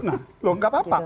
nah loh nggak apa apa